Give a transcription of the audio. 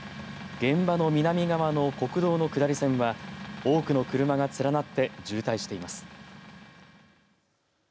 現場の南側の国道の下り線は多くの車が連なって渋滞しています。